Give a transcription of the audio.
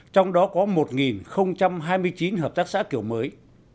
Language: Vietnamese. trong đó có một hai mươi chín hợp tác xã kiểu mới